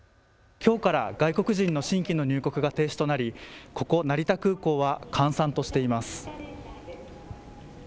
きょうから外国人の新規の入国が停止となり、ここ成田空港は閑散としています。